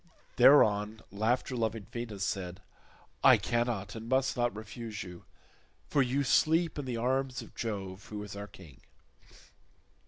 Thereon laughter loving Venus said, "I cannot and must not refuse you, for you sleep in the arms of Jove who is our king."